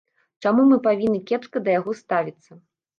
Чаму мы павінны кепска да яго ставіцца?